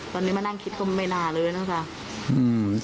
ตอนนี้มานั่งคิดก็ไม่น่าเลยนะคะอืม